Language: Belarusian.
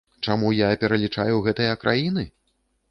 Чаму я пералічаю гэтыя краіны?